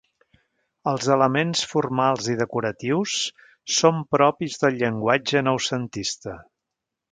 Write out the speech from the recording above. Els elements formals i decoratius són propis del llenguatge noucentista.